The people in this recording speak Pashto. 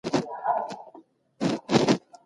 دا د عدالت تله ده.